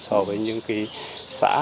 so với những cái xã